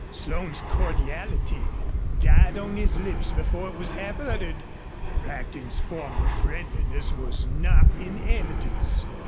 Slone's cordiality died on his lips before it was half uttered. Brackton's former friendliness was not in evidence.